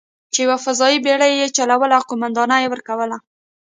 چې یوه فضايي بېړۍ یې چلوله او قومانده یې ورکوله.